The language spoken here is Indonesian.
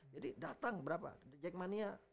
jadi datang berapa jack manianya